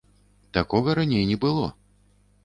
Такога раней не было!